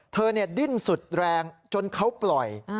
ดิ้นสุดแรงจนเขาปล่อย